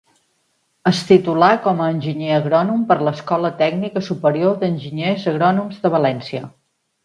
Es titulà com a enginyer agrònom per l'Escola Tècnica Superior d'Enginyers Agrònoms de València.